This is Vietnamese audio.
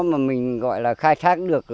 mình gọi là khai thác được